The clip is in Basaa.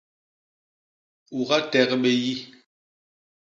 U gatek bé yi.